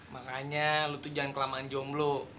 makanya lo tuh jangan kelamaan jomblo